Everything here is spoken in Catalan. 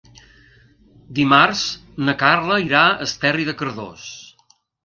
Dimarts na Carla irà a Esterri de Cardós.